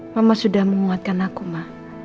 mama sudah menguatkan aku ma